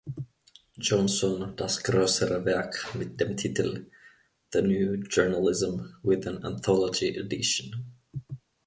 Johnson das größere Werk mit dem Titel "The New Journalism: With an Anthology Edition".